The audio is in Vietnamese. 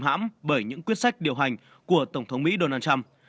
hãm bởi những quyết sách điều hành của tổng thống mỹ donald trump